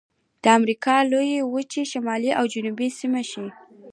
د امریکا لویې وچې شمالي او جنوبي سیمې ښيي.